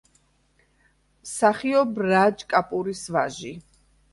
მსახიობ რაჯ კაპურის ვაჟი.